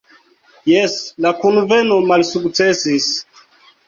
Jes, la kunveno malsuksesis.